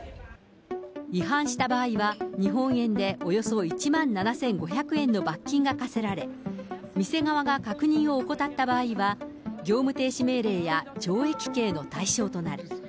違反した場合は、日本円でおよそ１万７５００円の罰金が科せられ、店側が確認を怠った場合は、業務停止命令や懲役刑の対象となる。